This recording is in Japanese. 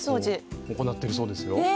行ってるそうですよ。